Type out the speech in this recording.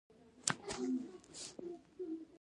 د تخار په خواجه غار کې د قیمتي ډبرو نښې دي.